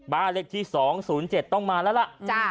บ้านเลขที่๒๐๗ต้องมาแล้วล่ะ